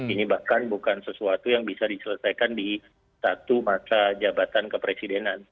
ini bahkan bukan sesuatu yang bisa diselesaikan di satu masa jabatan kepresidenan